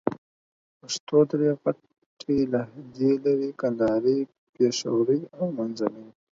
پښتو درې غټ لهجې لرې: کندهارۍ، پېښورۍ او منځني.